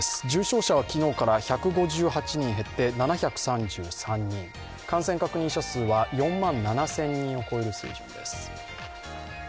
重症者は昨日から１５８人減って７３３人、感染確認者数は４万７０００人を超える水準です。